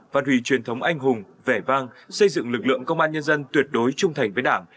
phát hủy truyền thống anh hùng vẻ vang xây dựng lực lượng công an nhân dân tuyệt đối trung thành với đảng